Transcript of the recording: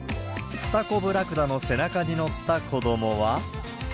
フタコブラクダの背中に乗った子どもは。